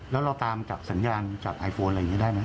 แล้วเราตามกับสัญญาณจากไอโฟนอะไรอย่างนี้ได้ไหม